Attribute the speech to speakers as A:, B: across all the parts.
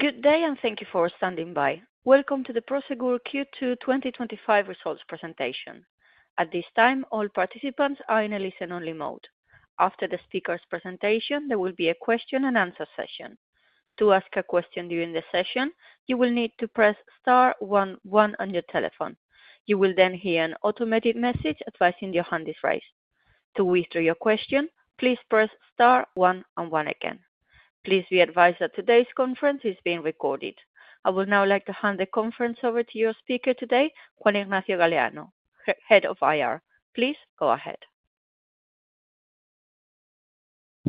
A: Good day and thank you for standing by. Welcome to the Prosegur Q2 2025 results presentation. At this time, all participants are in a listen-only mode. After the speaker's presentation, there will be a question and answer session. To ask a question during the session, you will need to press star one one on your telephone. You will then hear an automated message advising you to hand this raise. To withdraw your question, please press star one one again. Please be advised that today's conference is being recorded. I would now like to hand the conference over to your speaker today, Juan Ignacio Galleano, Head of Investor Relations. Please go ahead.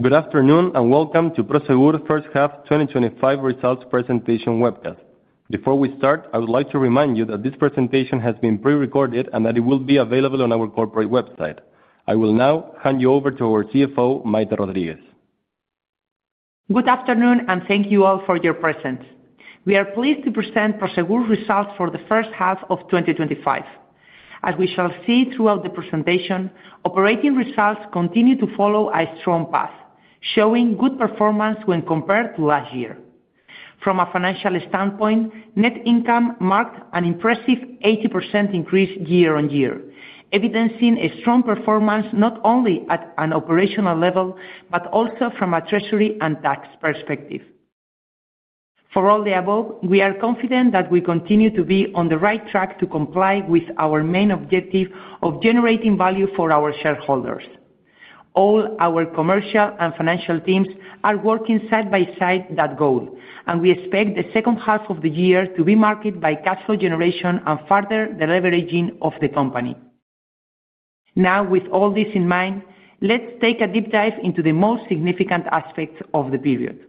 B: Good afternoon and welcome to Prosegur first half 2025 results presentation webcast. Before we start, I would like to remind you that this presentation has been pre-recorded and that it will be available on our corporate website. I will now hand you over to our CFO, Maite Rodríguez.
C: Good afternoon and thank you all for your presence. We are pleased to present Prosegur results for the first half of 2025. As we shall see throughout the presentation, operating results continue to follow a strong path, showing good performance when compared to last year. From a financial standpoint, net income marked an impressive 80% increase year on year, evidencing a strong performance not only at an operational level but also from a treasury and tax perspective. For all the above, we are confident that we continue to be on the right track to comply with our main objective of generating value for our shareholders. All our commercial and financial teams are working side by side with that goal, and we expect the second half of the year to be marked by cash flow generation and further the leveraging of the company. Now, with all this in mind, let's take a deep dive into the most significant aspects of the period.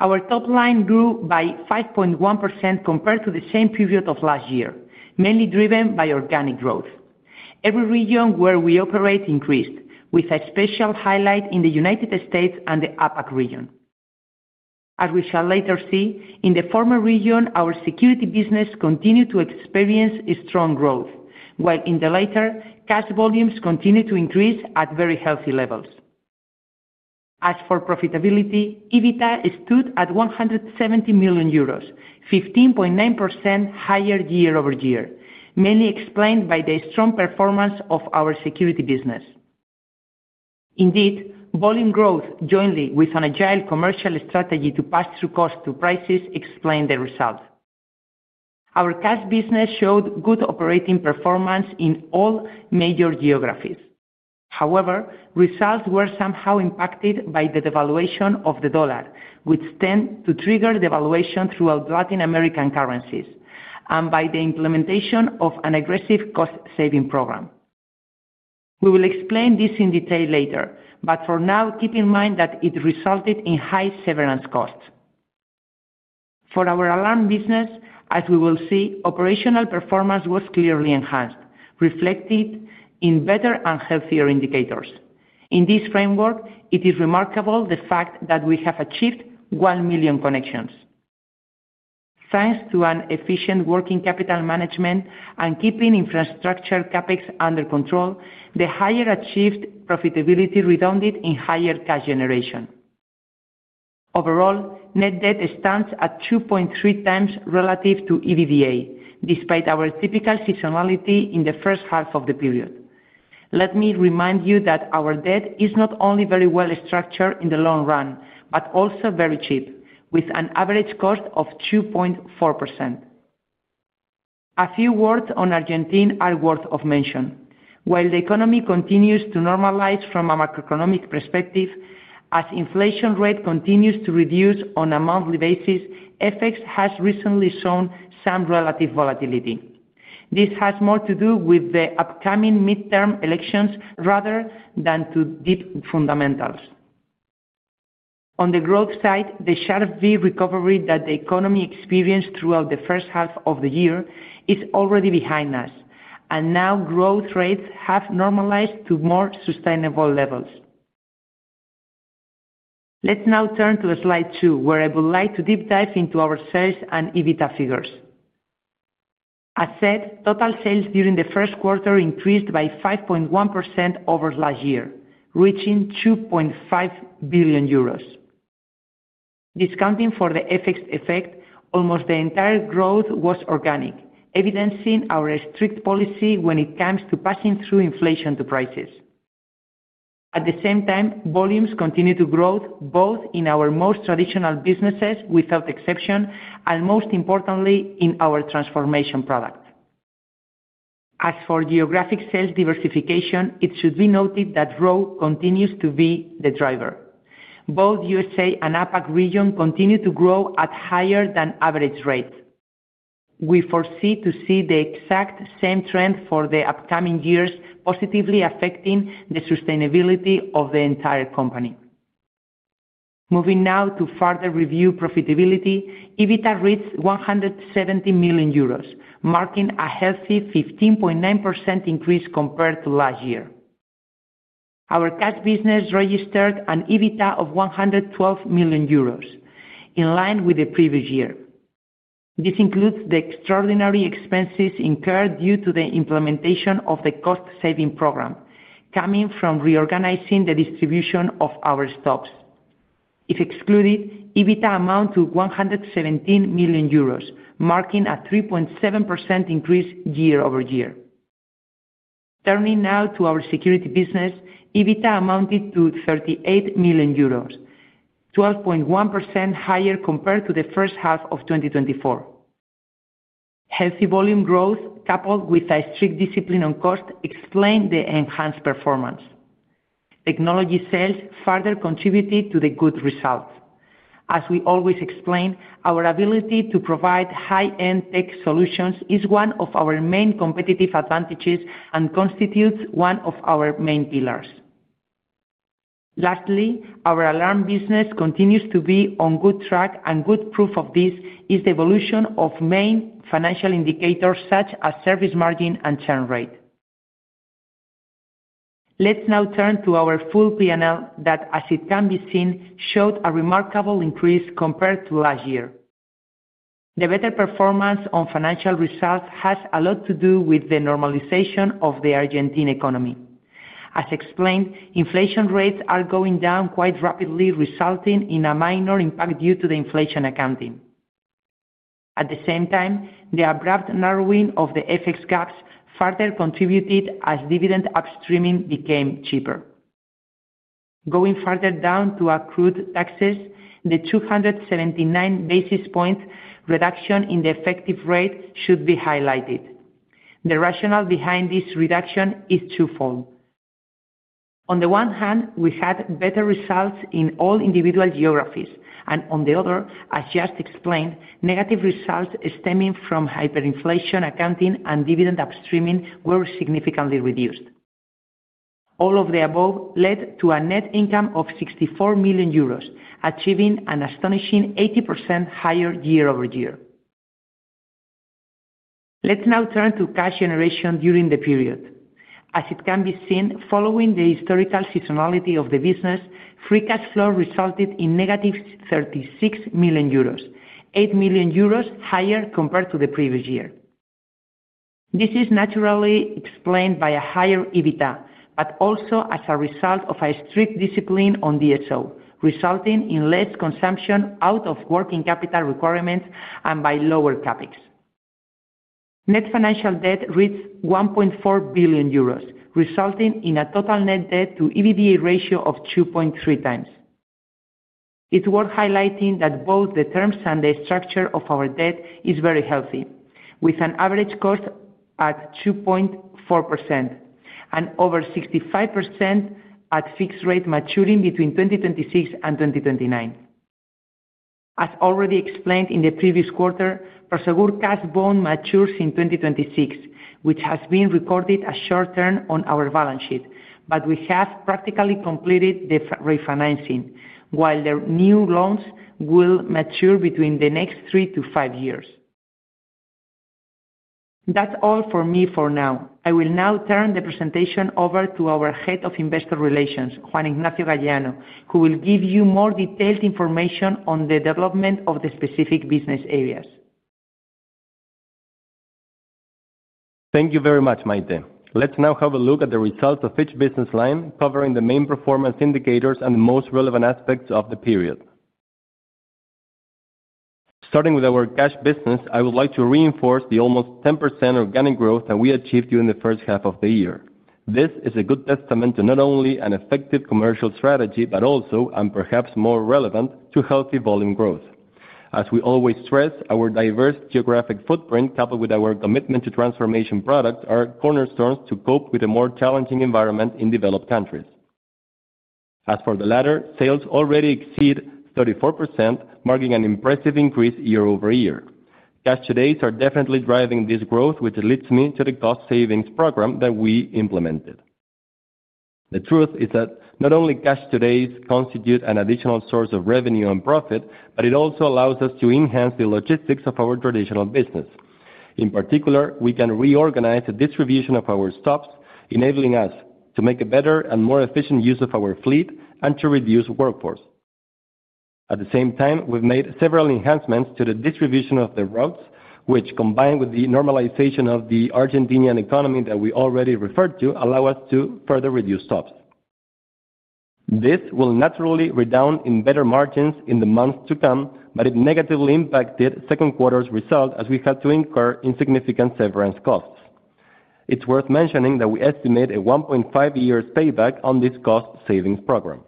C: Our top line grew by 5.1% compared to the same period of last year, mainly driven by organic growth. Every region where we operate increased, with a special highlight in the United States and the APAC region. As we shall later see, in the former region, our Security Business continued to experience strong growth, while in the latter, cash volumes continued to increase at very healthy levels. As for profitability, EBITA stood at EUR 170 million, 15.9% higher year-over-year, mainly explained by the strong performance of our Security Business. Indeed, volume growth, jointly with an agile commercial strategy to pass through costs to prices, explained the result. Our Cash Business showed good operating performance in all major geographies. However, results were somehow impacted by the devaluation of the dollar, which tended to trigger devaluation throughout Latin American currencies, and by the implementation of an aggressive cost-saving program. We will explain this in detail later, but for now, keep in mind that it resulted in high severance costs. For our Alarm Business, as we will see, operational performance was clearly enhanced, reflected in better and healthier indicators. In this framework, it is remarkable the fact that we have achieved 1 million connections. Thanks to an efficient working capital management and keeping infrastructure CapEx under control, the higher achieved profitability resulted in higher cash generation. Overall, net debt stands at 2.3 times relative to EBITDA, despite our typical seasonality in the first half of the period. Let me remind you that our debt is not only very well structured in the long run, but also very cheap, with an average cost of 2.4%. A few words on Argentina are worth of mention. While the economy continues to normalize from a macroeconomic perspective, as inflation rate continues to reduce on a monthly basis, FX has recently shown some relative volatility. This has more to do with the upcoming midterm elections rather than to deep fundamentals. On the growth side, the sharp V recovery that the economy experienced throughout the first half of the year is already behind us, and now growth rates have normalized to more sustainable levels. Let's now turn to slide two, where I would like to deep dive into our sales and EBITA figures. As said, total sales during the first quarter increased by 5.1% over last year, reaching 2.5 billion euros. Discounting for the FX effect, almost the entire growth was organic, evidencing our strict policy when it comes to passing through inflation to prices. At the same time, volumes continue to grow both in our most traditional businesses without exception, and most importantly, in our transformation products. As for geographic sales diversification, it should be noted that growth continues to be the driver. Both USA and APAC region continue to grow at higher than average rates. We foresee to see the exact same trend for the upcoming years, positively affecting the sustainability of the entire company. Moving now to further review profitability, EBITA reached 170 million euros, marking a healthy 15.9% increase compared to last year. Our Cash Business registered an EBITA of 112 million euros, in line with the previous year. This includes the extraordinary expenses incurred due to the implementation of the cost-saving program, coming from reorganizing the distribution of our stocks. If excluded, EBITA amounted to 17 million euros, marking a 3.7% increase year-over-year. Turning now to our Security Business, EBITA amounted to 38 million euros, 12.1% higher compared to the first half of 2024. Healthy volume growth, coupled with a strict discipline on cost, explained the enhanced performance. Technology sales further contributed to the good results. As we always explain, our ability to provide high-end tech solutions is one of our main competitive advantages and constitutes one of our main pillars. Lastly, our Alarm Business continues to be on good track, and good proof of this is the evolution of main financial indicators such as service margin and Churn Rate. Let's now turn to our full P&L that, as it can be seen, showed a remarkable increase compared to last year. The better performance on financial results has a lot to do with the normalization of the Argentine economy. As explained, inflation rates are going down quite rapidly, resulting in a minor impact due to the hyperinflation accounting. At the same time, the abrupt narrowing of the FX gaps further contributed as dividend upstreaming became cheaper. Going further down to accrued taxes, the 279 basis points reduction in the effective rate should be highlighted. The rationale behind this reduction is twofold. On the one hand, we had better results in all individual geographies, and on the other, as just explained, negative results stemming from hyperinflation accounting and dividend upstreaming were significantly reduced. All of the above led to a net income of 64 million euros, achieving an astonishing 80% higher year-over-year. Let's now turn to cash generation during the period. As it can be seen, following the historical seasonality of the business, free cash flow resulted in -36 million euros, 8 million euros higher compared to the previous year. This is naturally explained by a higher EBITA, but also as a result of a strict discipline on DSO, resulting in less consumption out of working capital requirements and by lower CapEx. Net financial debt reached 1.4 billion euros, resulting in a total net debt to EBITDA ratio of 2.3 times. It's worth highlighting that both the terms and the structure of our debt are very healthy, with an average cost at 2.4% and over 65% at fixed rate maturing between 2026 and 2029. As already explained in the previous quarter, Prosegur Cash Bond matures in 2026, which has been recorded as short-term on our balance sheet, but we have practically completed the refinancing, while the new loans will mature between the next three to five years. That's all for me for now. I will now turn the presentation over to our Head of Investor Relations, Juan Ignacio Galleano, who will give you more detailed information on the development of the specific business areas.
B: Thank you very much, Maite. Let's now have a look at the results of each business line, covering the main performance indicators and the most relevant aspects of the period. Starting with our Cash Business, I would like to reinforce the almost 10% organic growth that we achieved during the first half of the year. This is a good testament to not only an effective commercial strategy, but also, and perhaps more relevant, to healthy volume growth. As we always stress, our diverse geographic footprint, coupled with our commitment to transformation products, are cornerstones to cope with a more challenging environment in developed countries. As for the latter, sales already exceed 34%, marking an impressive increase year-over-year. Cash Todays are definitely driving this growth, which leads me to the cost-savings program that we implemented. The truth is that not only Cash Todays constitute an additional source of revenue and profit, but it also allows us to enhance the logistics of our traditional business. In particular, we can reorganize the distribution of our stops, enabling us to make a better and more efficient use of our fleet and to reduce workforce. At the same time, we've made several enhancements to the distribution of the routes, which, combined with the normalization of the Argentinian economy that we already referred to, allow us to further reduce stops. This will naturally redound in better margins in the months to come, but it negatively impacted the second quarter's result, as we had to incur insignificant severance costs. It's worth mentioning that we estimate a 1.5 years payback on this cost-savings program.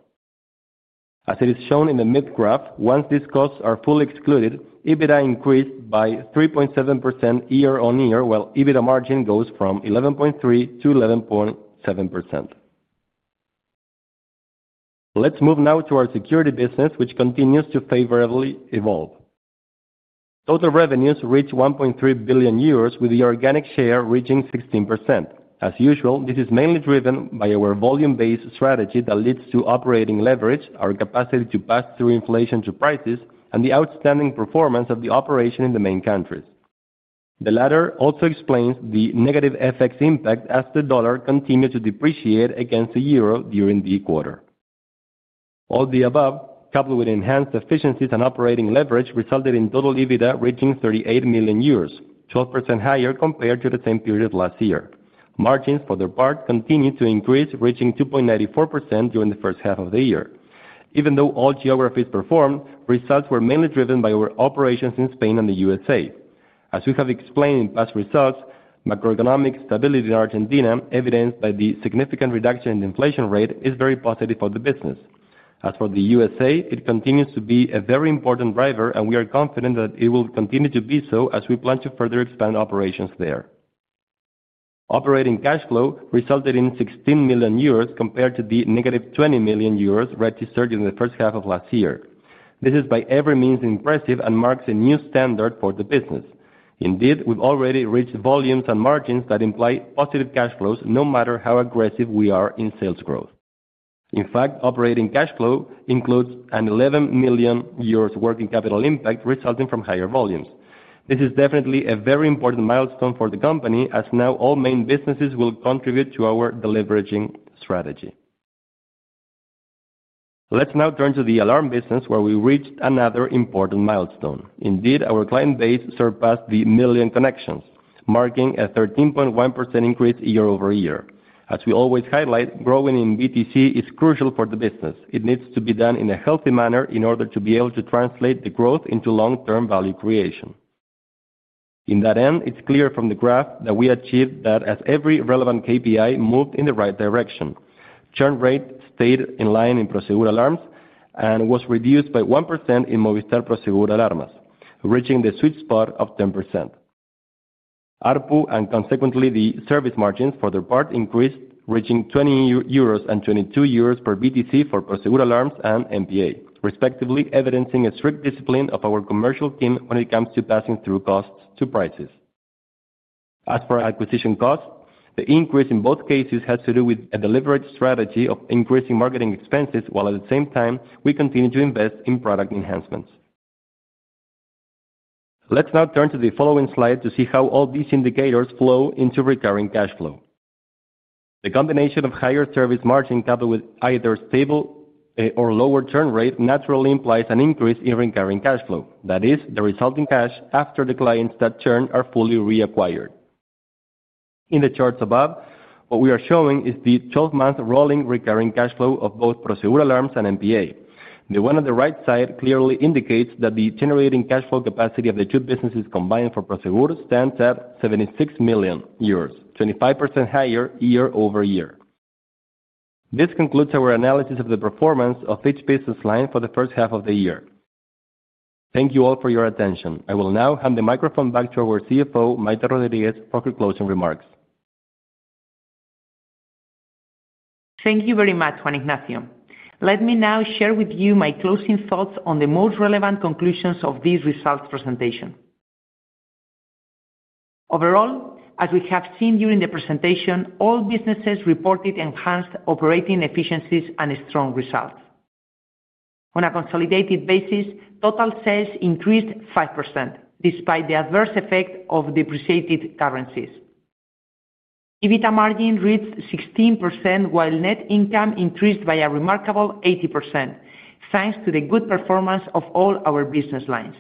B: As it is shown in the mid-graph, once these costs are fully excluded, EBITA increased by 3.7% year on year, while EBITDA margin goes from 11.3%-11.7%. Let's move now to our Security Business, which continues to favorably evolve. Total revenues reached 1.3 billion euros, with the organic share reaching 16%. As usual, this is mainly driven by our volume-based strategy that leads to operating leverage, our capacity to pass through inflation to prices, and the outstanding performance of the operation in the main countries. The latter also explains the negative FX impact as the dollar continued to depreciate against the euro during the quarter. All the above, coupled with enhanced efficiencies and operating leverage, resulted in total EBITDA reaching 38 million euros, 12% higher compared to the same period last year. Margins, for their part, continued to increase, reaching 2.94% during the first half of the year. Even though all geographies performed, results were mainly driven by our operations in Spain and the USA. As we have explained in past results, macroeconomic stability in Argentina, evidenced by the significant reduction in the inflation rate, is very positive for the business. As for the USA, it continues to be a very important driver, and we are confident that it will continue to be so as we plan to further expand operations there. Operating cash flow resulted in 16 million euros compared to the -20 million euros registered during the first half of last year. This is by every means impressive and marks a new standard for the business. Indeed, we've already reached volumes and margins that imply positive cash flows, no matter how aggressive we are in sales growth. In fact, operating cash flow includes an 11 million euros working capital impact resulting from higher volumes. This is definitely a very important milestone for the company, as now all main businesses will contribute to our leveraging strategy. Let's now turn to the Alarm Business, where we reached another important milestone. Indeed, our client base surpassed the million connections, marking a 13.1% increase year-over-year. As we always highlight, growing in BTC is crucial for the business. It needs to be done in a healthy manner in order to be able to translate the growth into long-term value creation. In that end, it's clear from the graph that we achieved that, as every relevant KPI moved in the right direction, Churn Rate stayed in line in Prosegur Alarms and was reduced by 1% in Movistar Prosegur Alarmas, reaching the sweet spot of 10%. ARPU and consequently the service margins, for their part, increased, reaching 20 euros and 22 euros per BTC for Prosegur Alarms and MPA, respectively, evidencing a strict discipline of our commercial team when it comes to passing through costs to prices. As for acquisition costs, the increase in both cases has to do with the leveraged strategy of increasing marketing expenses, while at the same time, we continue to invest in product enhancements. Let's now turn to the following slide to see how all these indicators flow into recurring cash flow. The combination of higher service margin coupled with either stable or lower Churn Rate naturally implies an increase in recurring cash flow, that is, the resulting cash after the clients that Churn are fully reacquired. In the charts above, what we are showing is the 12-month rolling recurring cash flow of both Prosegur Alarms and MPA. The one on the right side clearly indicates that the generating cash flow capacity of the two businesses combined for Prosegur at 76 million euros, 25% higher year-over-year. This concludes our analysis of the performance of each business line for the first half of the year. Thank you all for your attention. I will now hand the microphone back to our CFO, Maite Rodríguez, for her closing remarks.
C: Thank you very much, Juan Ignacio. Let me now share with you my closing thoughts on the most relevant conclusions of these results presentation. Overall, as we have seen during the presentation, all businesses reported enhanced operating efficiencies and strong results. On a consolidated basis, total sales increased 5%, despite the adverse effect of depreciated currencies. EBITDA margin reached 16%, while net income increased by a remarkable 80%, thanks to the good performance of all our business lines.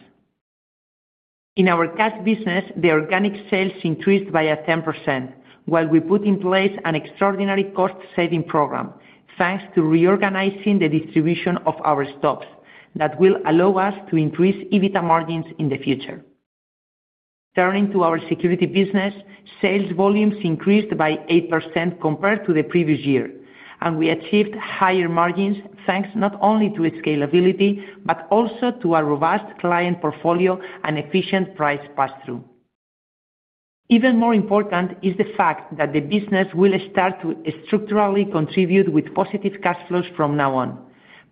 C: In our Cash Business, the organic sales increased by 10%, while we put in place an extraordinary cost-saving program, thanks to reorganizing the distribution of our stocks that will allow us to increase EBITDA margins in the future. Turning to our Security Business, sales volumes increased by 8% compared to the previous year, and we achieved higher margins, thanks not only to its scalability, but also to our robust client portfolio and efficient price pass-through. Even more important is the fact that the business will start to structurally contribute with positive cash flows from now on,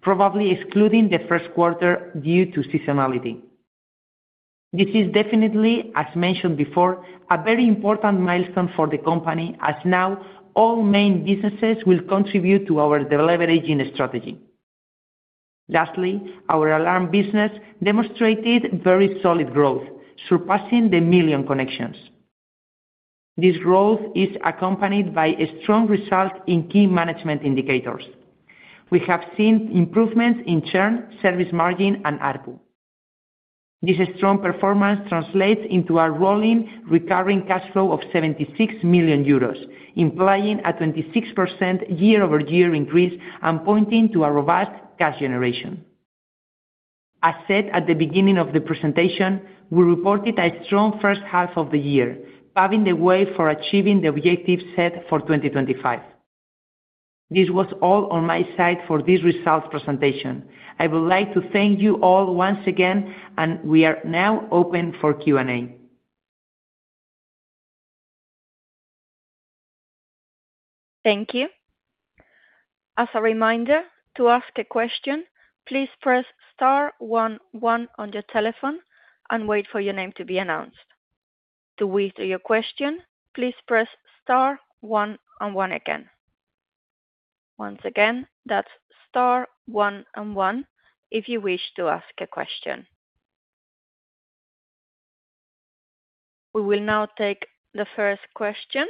C: probably excluding the first quarter due to seasonality. This is definitely, as mentioned before, a very important milestone for the company, as now all main businesses will contribute to our leveraging strategy. Lastly, our Alarm Business demonstrated very solid growth, surpassing the million connections. This growth is accompanied by a strong result in key management indicators. We have seen improvements in Churn, service margin, and ARPU. This strong performance translates into our rolling recurring cash flow of 76 million euros, implying a 26% year-over-year increase and pointing to our robust cash generation. As said at the beginning of the presentation, we reported a strong first half of the year, paving the way for achieving the objectives set for 2025. This was all on my side for this results presentation. I would like to thank you all once again, and we are now open for Q&A.
A: Thank you. As a reminder, to ask a question, please press star one one on your telephone and wait for your name to be announced. To withdraw your question, please press star one one again. Once again, that's star one and one if you wish to ask a question. We will now take the first question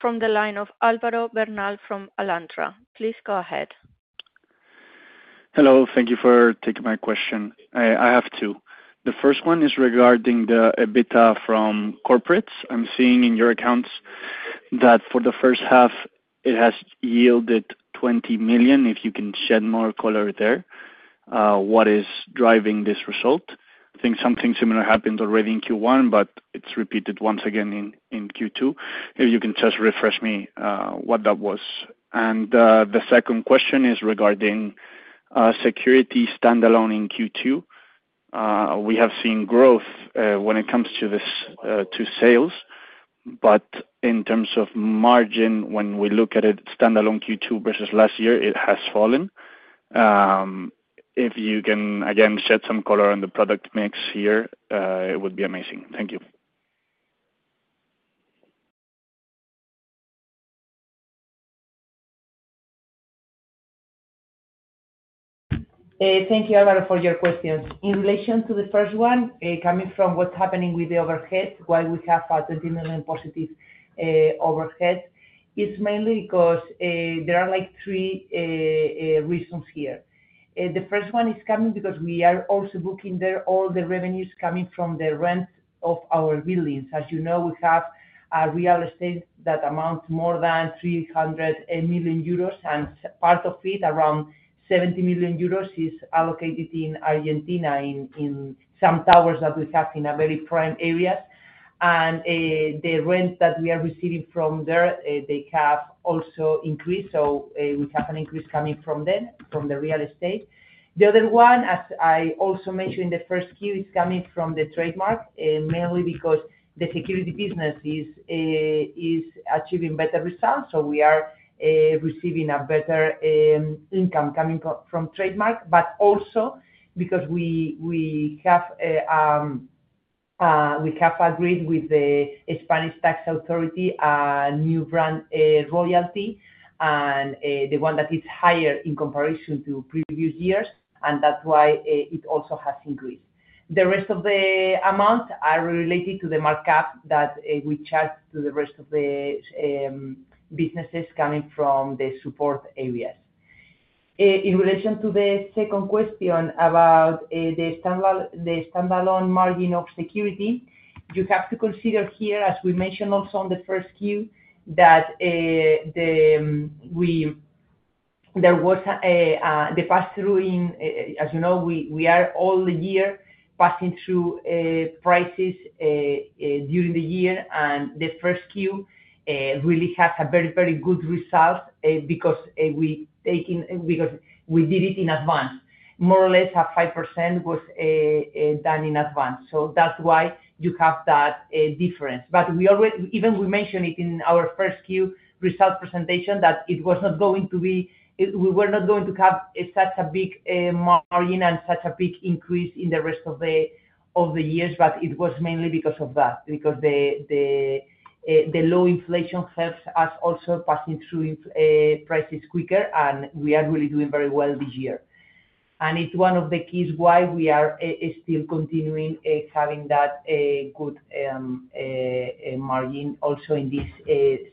A: from the line of Álvaro Bernal from Alhambra. Please go ahead.
D: Hello. Thank you for taking my question. I have two. The first one is regarding the EBITA from corporates. I'm seeing in your accounts that for the first half, it has yielded 20 million, if you can shed more color there. What is driving this result? I think something similar happened already in Q1, but it's repeated once again in Q2. If you can just refresh me what that was. The second question is regarding security standalone in Q2. We have seen growth when it comes to sales, but in terms of margin, when we look at it standalone Q2 versus last year, it has fallen. If you can again shed some color on the product mix here, it would be amazing. Thank you.
C: Thank you, Álvaro, for your questions. In relation to the first one, coming from what's happening with the overheads, why we have 20 million positive overheads, it's mainly because there are like three reasons here. The first one is coming because we are also booking all the revenues coming from the rent of our buildings. As you know, we have a real estate that amounts more than 300 million euros, and part of it, around 70 million euros, is allocated in Argentina, in some towers that we have in a very prime area. The rent that we are receiving from there, they have also increased, so we have an increase coming from there, from the real estate. The other one, as I also mentioned in the first queue, is coming from the trademark, mainly because the Security Business is achieving better results, so we are receiving a better income coming from trademark, but also because we have agreed with the Spanish Tax Authority a new brand royalty, and the one that is higher in comparison to previous years, and that's why it also has increased. The rest of the amounts are related to the markup that we charge to the rest of the businesses coming from the support area. In relation to the second question about the standalone margin of security, you have to consider here, as we mentioned also on the first queue, that there was the pass-through in, as you know, we are all the year passing through prices during the year, and the first queue really has a very, very good result because we did it in advance. More or less, a 5% was done in advance, so that's why you have that difference. Even we mentioned it in our first queue result presentation that it was not going to be, we were not going to have such a big margin and such a big increase in the rest of the years, but it was mainly because of that, because the low inflation helps us also passing through prices quicker, and we are really doing very well this year. It is one of the keys why we are still continuing having that good margin also in this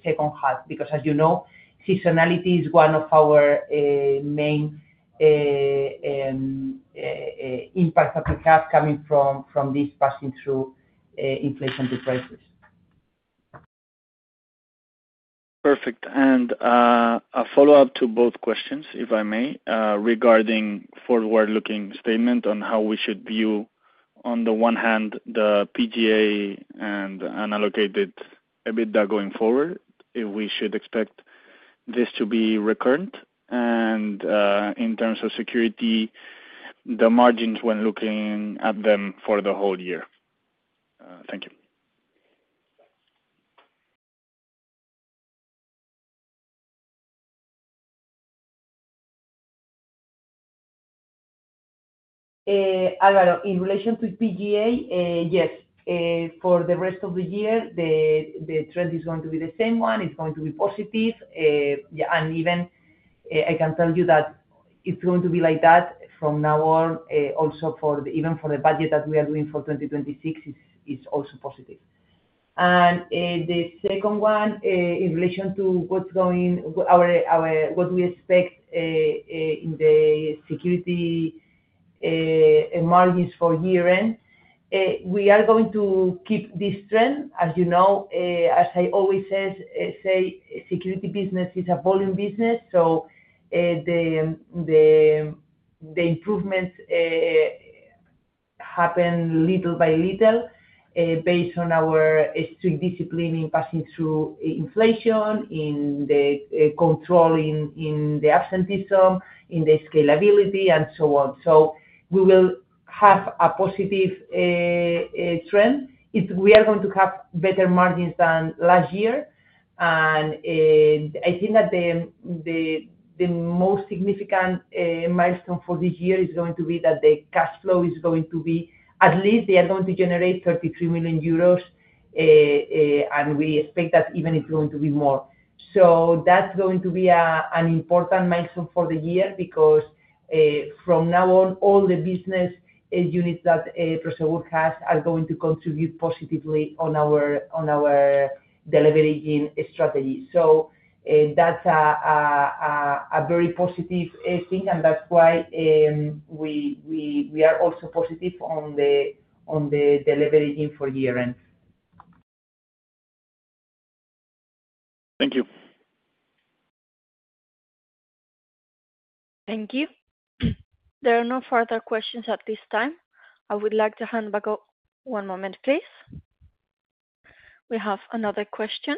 C: second half, because, as you know, seasonality is one of our main impacts that we have coming from this passing through inflation to prices.
D: Perfect. A follow-up to both questions, if I may, regarding forward-looking statement on how we should view, on the one hand, the PGA and allocated EBITDA going forward. We should expect this to be recurrent. In terms of security, the margins when looking at them for the whole year. Thank you.
C: Álvaro, in relation to PGA, yes. For the rest of the year, the trend is going to be the same one. It's going to be positive. I can tell you that it's going to be like that from now on, also for the budget that we are doing for 2026, it's also positive. The second one, in relation to what's going on, what we expect in the security margins for year-end, we are going to keep this trend. As you know, as I always say, the Security Business is a volume business, so the improvements happen little by little based on our strict discipline in passing through inflation, in the controlling in the absenteeism, in the scalability, and so on. We will have a positive trend. We are going to have better margins than last year. I think that the most significant milestone for this year is going to be that the cash flow is going to be, at least they are going to generate 33 million euros, and we expect that even it's going to be more. That's going to be an important milestone for the year because, from now on, all the business units that Prosegur has are going to contribute positively on our deliveraging strategy. That's a very positive thing, and that's why we are also positive on the deliveraging for year-end.
D: Thank you.
A: Thank you. There are no further questions at this time. I would like to hand back up. One moment, please. We have another question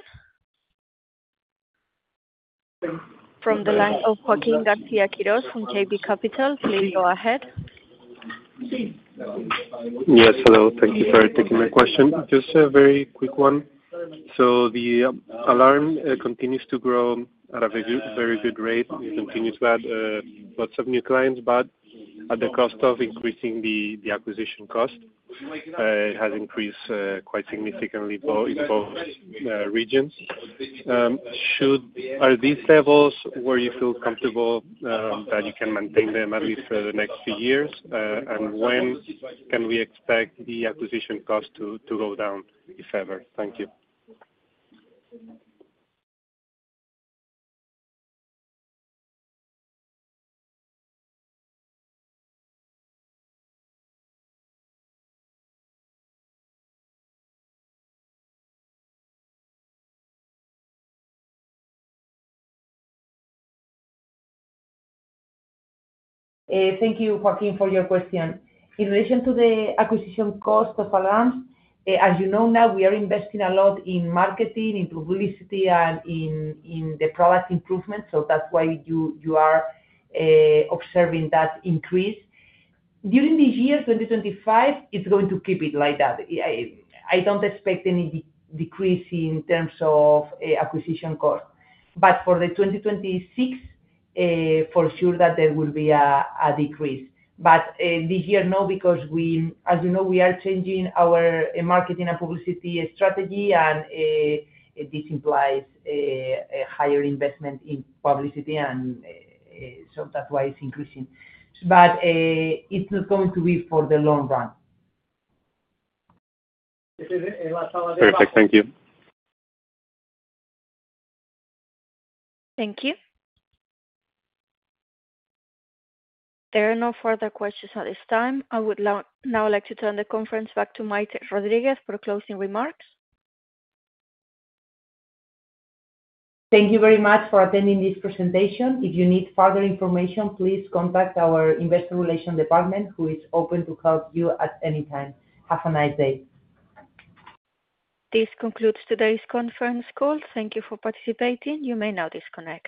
A: from the line of Joaquín García Quiros from JB Capital. Please go ahead.
E: Yes. Hello. Thank you for taking my question. Just a very quick one. The alarm continues to grow at a very good rate. It continues to add lots of new clients, but at the cost of increasing the acquisition cost. It has increased quite significantly in both regions. Are these levels where you feel comfortable that you can maintain them at least for the next few years? When can we expect the acquisition cost to go down, if ever? Thank you.
C: Thank you, Joaquín, for your question. In relation to the acquisition cost of alarms, as you know, now we are investing a lot in marketing, in publicity, and in the product improvement, so that's why you are observing that increase. During the year 2025, it's going to keep it like that. I don't expect any decrease in terms of acquisition cost. For 2026, for sure that there will be a decrease. This year, no, because we, as you know, we are changing our marketing and publicity strategy, and this implies a higher investment in publicity, and that's why it's increasing. It's not going to be for the long run.
E: Perfect. Thank you.
A: Thank you. There are no further questions at this time. I would now like to turn the conference back to Maite Rodríguez for closing remarks.
C: Thank you very much for attending this presentation. If you need further information, please contact our Investor Relations Department, who is open to help you at any time. Have a nice day.
A: This concludes today's conference call. Thank you for participating. You may now disconnect.